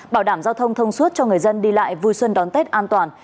bảo đảm giao thông thông suốt cho người dân đi lại vui xuân đón tết an toàn